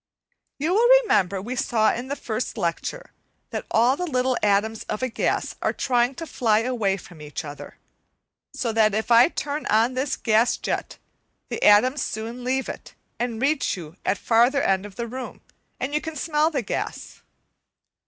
You will remember we saw in the first lecture, that all the little atoms of a gas are trying to fly away from each other, so that if I turn on this gas jet the atoms soon leave it, and reach you at the farther end of the room, and you can smell the gas.